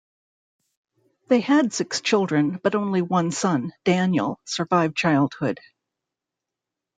They had six children, but only one son, Daniel, survived childhood.